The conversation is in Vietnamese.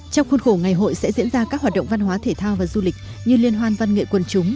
trong khuôn khổ ngày hội sẽ diễn ra các hoạt động văn hóa thể thao và du lịch như liên hoan văn nghệ quần chúng